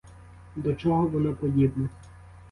До чого воно подібне.